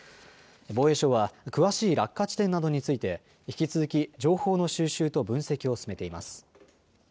防衛省は詳しい落下地点などについて引き続き情報の収集と分析を進めています。